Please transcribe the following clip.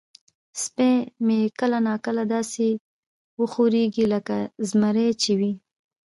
سپی مې کله نا کله داسې وخوریږي لکه زمری چې وي.